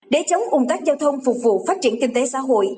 để chống ủng tác giao thông phục vụ phát triển kinh tế xã hội